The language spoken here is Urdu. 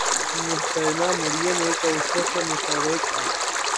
محترمہ مریم ایک عرصہ سے متحرک ہیں۔